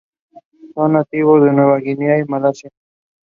Garcia finished in second place narrowly behind Eric Adams.